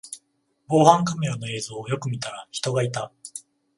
防犯カメラの映像をよく見たら人がいた